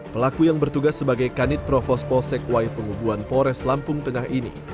pelaku yang bertugas sebagai kanit provos polsek wai pengubuan pores lampung tengah ini